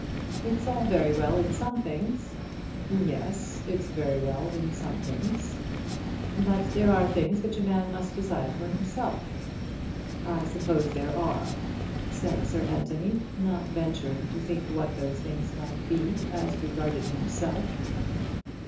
"It's all very well in some things." "Yes; it's very well in some things." "But there are things which a man must decide for himself." "I suppose there are," said Sir Anthony, not venturing to think what those things might be as regarded himself.